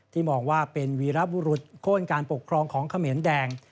มองว่าเป็นวีรบุรุษโค้นการปกครองของเขมรแดง